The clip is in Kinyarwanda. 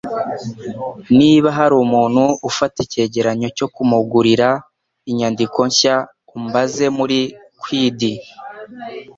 Niba hari umuntu ufata icyegeranyo cyo kumugurira inyandiko nshya umbaze muri quid